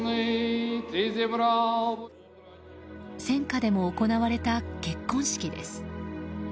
戦渦でも行われた結婚式です。